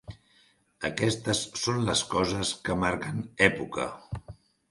Aquestes són les coses que marquen època.